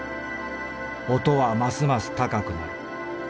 音はますます高くなる。